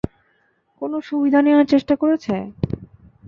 কোনো সুবিধা নেওয়ার চেষ্টা করেছে?